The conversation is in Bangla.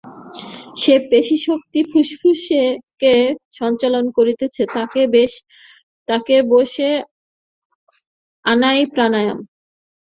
যে পেশী-শক্তি ফুসফুসকে সঞ্চালন করিতেছে, তাহাকে বশে আনাই প্রাণায়াম।